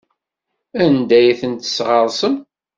Anda ay ten-tesɣersem?